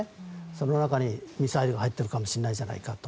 その中にミサイルが入っているかもしれないじゃないかと。